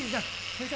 先生